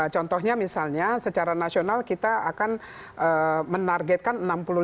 contohnya misalnya secara nasional kita akan menargetkan enam puluh lima